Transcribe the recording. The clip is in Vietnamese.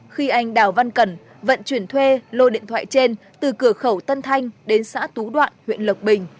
khi anh đào văn cẩn vận chuyển thuê lô điện thoại trên từ cửa khẩu tân thanh đến xã tú đoạn huyện lộc bình